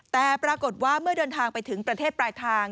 แต่ปรากฏว่าเมื่อเดินทางไปถึงประเทศปลายทาง